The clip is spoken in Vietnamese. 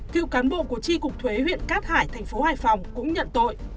cựu cán bộ của tri cục thuế huyện cát hải thành phố hải phòng cũng nhận tội